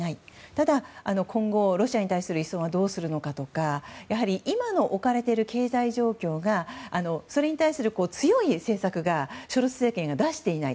ただ、今後ロシアに対する依存はどうするのかとか今、置かれている経済状況がそれに対する、強い政策がショルツ政権が出していない。